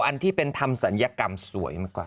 อันที่เป็นทำศัลยกรรมสวยมากกว่า